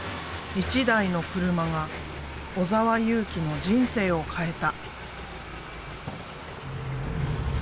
１台の車が尾澤佑貴の人生を変えた。